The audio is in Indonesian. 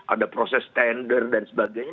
ada proses tender dan sebagainya